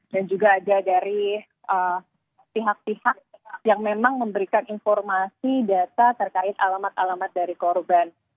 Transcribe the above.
dan juga ada dari pihak pihak yang memang memberikan informasi data terkait alamat alamat dari korupsi